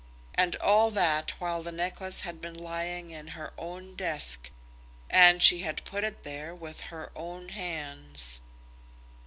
And all the while the necklace had been lying in her own desk, and she had put it there with her own hands!